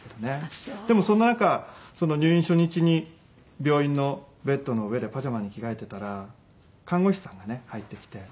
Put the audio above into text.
でもそんな中入院初日に病院のベッドの上でパジャマに着替えてたら看護師さんがね入ってきて。